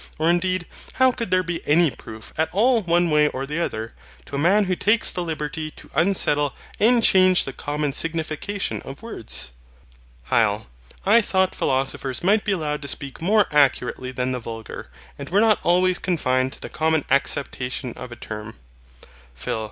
Or, indeed, how could there be any proof at all one way or other, to a man who takes the liberty to unsettle and change the common signification of words? HYL. I thought philosophers might be allowed to speak more accurately than the vulgar, and were not always confined to the common acceptation of a term. PHIL.